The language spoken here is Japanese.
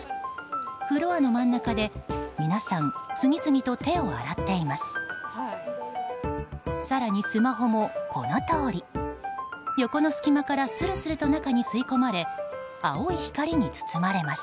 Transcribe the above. フロアの真ん中で皆さん次々と手を洗っています。